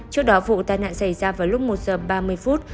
trước đó vụ tai nạn xảy ra vào lúc một giờ ba mươi phút